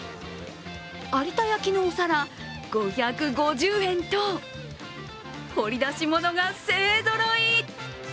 有田焼のお皿５５０円と掘り出し物が勢ぞろい！